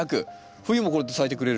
冬もこうやって咲いてくれる。